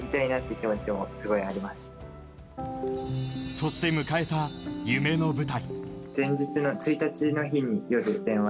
そして迎えた夢の舞台。